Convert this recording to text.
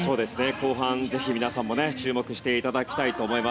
後半、ぜひ皆さんも注目していただきたいと思います。